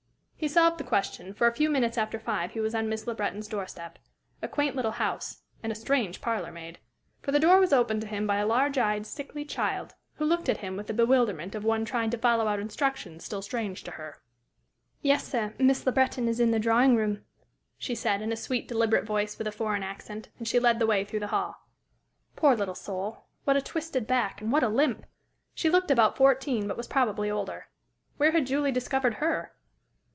He solved the question, for a few minutes after five he was on Miss Le Breton's doorstep. A quaint little house and a strange parlor maid! For the door was opened to him by a large eyed, sickly child, who looked at him with the bewilderment of one trying to follow out instructions still strange to her. [Illustration: "HE ENTERED UPON A MERRY SCENE"] "Yes, sir, Miss Le Breton is in the drawing room," she said, in a sweet, deliberate voice with a foreign accent, and she led the way through the hall. Poor little soul what a twisted back, and what a limp! She looked about fourteen, but was probably older. Where had Julie discovered her?